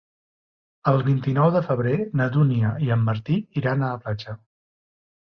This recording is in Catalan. El vint-i-nou de febrer na Dúnia i en Martí iran a la platja.